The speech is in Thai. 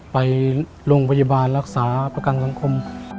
ไปโรงพยาบาลรักษาประกันสังคม